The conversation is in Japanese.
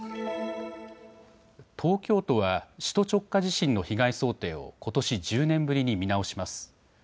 東京都は首都直下地震の被害想定をことし１０年ぶりに見直します。